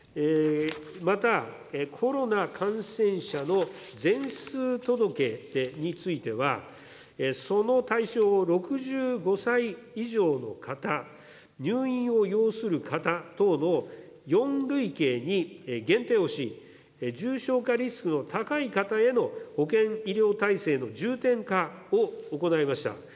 また、コロナ感染者の全数届については、その対象を６５歳以上の方、入院を要する方等の４類型に限定をし、重症化リスクの高い方への保険医療体制の重点化を行いました。